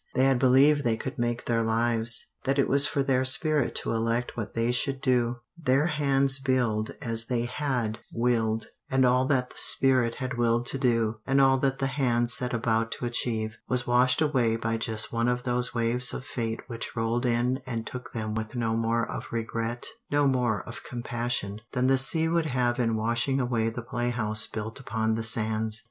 They had believed they could make their lives, that it was for their spirit to elect what they should do, their hands build as they had willed; and all that the spirit had willed to do, and all that the hands set about to achieve, was washed away by just one of those waves of fate which rolled in and took them with no more of regret, no more of compassion, than the sea would have in washing away the play house built upon the sands.